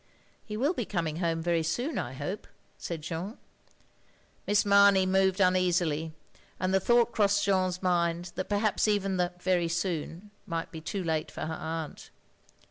"He will be coming home very soon I hope," said Jeanne. Miss Mamey moved uneasily, and the thought crossed Jeanne's mind that perhaps even the "very soon" might be too late for her aunt.